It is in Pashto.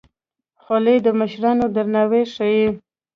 خولۍ د مشرانو درناوی ښيي.